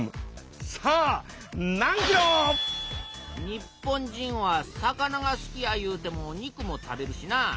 日本人は魚が好きやいうても肉も食べるしなあ。